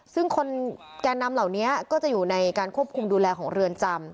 ซึ่งคนแก่นำเหล่านี้ก็จะอยู่ในการควบคุมดูแลของเรือนจำ